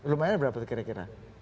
lumayan berapa kira kira